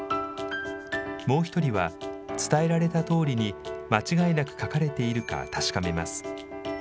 もう１人は、伝えられたとおりに間違いなく書かれているか確かめます。